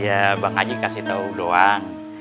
iya bang aji kasih tau doang